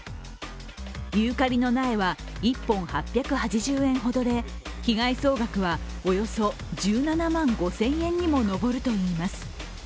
ユーカリの苗は１本８８０円ほどで被害総額はおよそ１７万５０００円にも上るといいます。